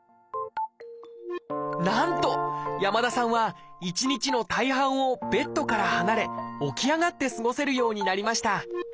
なんと山田さんは一日の大半をベッドから離れ起き上がって過ごせるようになりました。